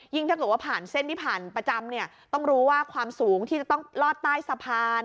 ถ้าเกิดว่าผ่านเส้นที่ผ่านประจำเนี่ยต้องรู้ว่าความสูงที่จะต้องลอดใต้สะพาน